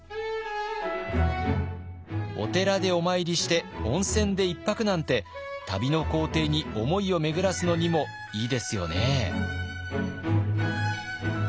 お寺でお参りして温泉で１泊なんて旅の行程に思いを巡らすのにもいいですよね。